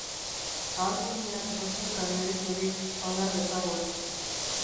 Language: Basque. Ahaleginak bazeukan meriturik, onar dezagun.